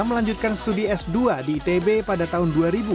melanjutkan studi s dua di itb pada tahun dua ribu dua